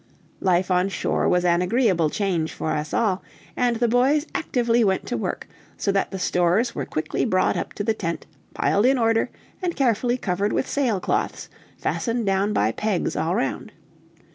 Life on shore was an agreeable change for us all, and the boys actively went to work, so that the stores were quickly brought up to the tent, piled in order, and carefully covered with sailcloths, fastened down by pegs all round.